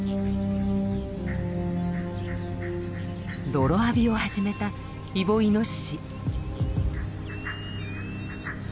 泥浴びを始めたイボイノシシ。